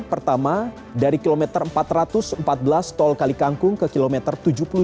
pertama dari kilometer empat puluh dua